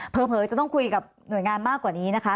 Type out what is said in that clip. จะต้องคุยกับหน่วยงานมากกว่านี้นะคะ